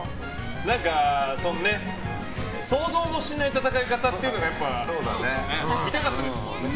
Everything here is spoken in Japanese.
何か想像もしない戦い方っていうのが見たかったですもんね。